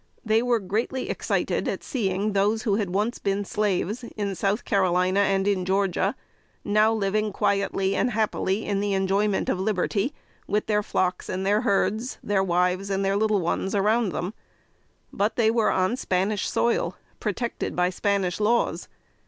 They were greatly excited at seeing those who had once been slaves, in South Carolina and in Georgia, now live quietly and happily in the enjoyment of liberty, with their flocks and their herds, their wives and their little ones, around them; but they were on Spanish soil, protected by Spanish laws.